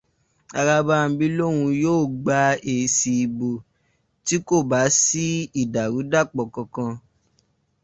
Arábámbi lóun yoo gbà èsì ìbò tí kò bá sì ìdàrú-dàpọ̀ kankan.